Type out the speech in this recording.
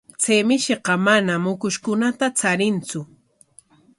Chay mishiqa manam ukushkunata charintsu.